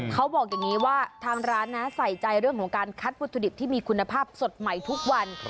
เขาบอกอย่างนี้ว่าทางร้านนะใส่ใจเรื่องของการคัดวัตถุดิบที่มีคุณภาพสดใหม่ทุกวัน